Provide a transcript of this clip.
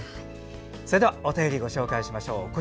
それではお便りご紹介しましょう。